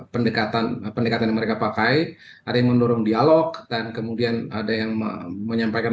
pendekatan pendekatan yang mereka pakai ada yang mendorong dialog dan kemudian ada yang menyampaikan